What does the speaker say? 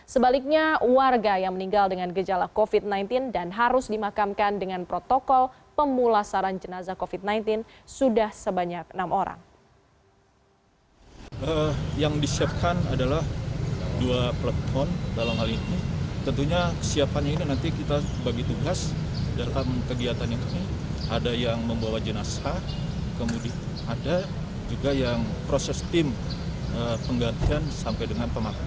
sebaliknya warga yang meninggal dengan gejala covid sembilan belas dan harus dimakamkan dengan protokol pemulasaran jenazah covid sembilan belas sudah sebanyak enam orang